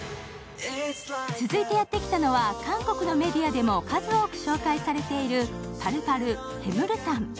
続いてやってきたのは、韓国のメディアでも数多く紹介されている、パルパル・ヘムルタン。